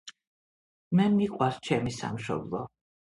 მე მიყვარს ჩემი სამშობლო